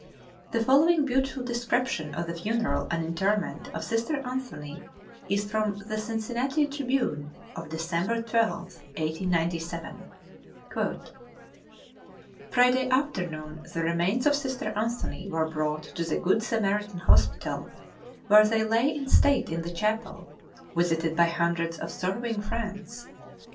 The following beautiful description of the funeral and interment of Sister Anthony is from the Cincinnati Tribune of December 12, 1897: "Friday afternoon the remains of Sister Anthony were brought to the Good Samaritan Hospital, where they lay in state in the chapel, visited by hundreds of sorrowing friends.